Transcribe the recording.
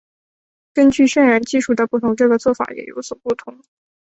根据渲染技术的不同这个做法也有所不同。